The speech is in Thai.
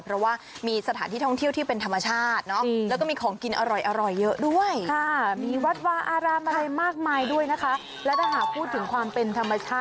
เพราะว่ามีสถานที่ท่องเที่ยวที่เป็นธรรมชาติเนาะแล้วก็มีของกินอร่อยเยอะด้วย